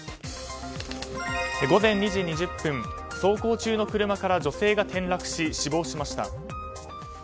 午前２時２０分走行中の車から女性が転落し死亡しました。